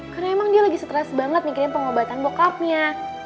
karena emang dia lagi stress banget mikirin pengobatan bokapnya